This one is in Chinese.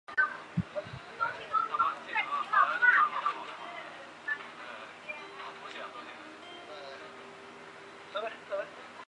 全程可常年通航。